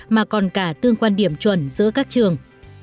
mà còn cả tương quan điểm chuẩn giữa các trường